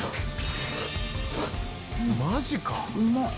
「マジか」